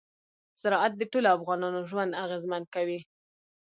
زراعت د ټولو افغانانو ژوند اغېزمن کوي.